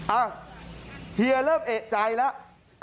อ่ะเฮียเริ่มเอกใจแล้ว